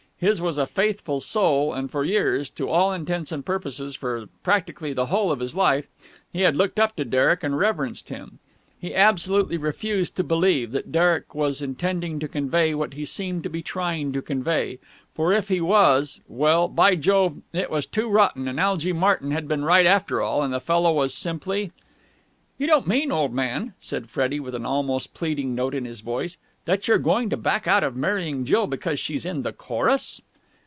His was a faithful soul, and for years to all intents and purposes for practically the whole of his life he had looked up to Derek and reverenced him. He absolutely refused to believe that Derek was intending to convey what he seemed to be trying to convey; for, if he was, well ... by Jove ... it was too rotten and Algy Martyn had been right after all and the fellow was simply.... "You don't mean, old man," said Freddie with an almost pleading note in his voice, "that you're going to back out of marrying Jill because she's in the chorus?"